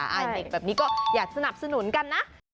เด็กแบบนี้ก็อยากสนับสนุนกันนะ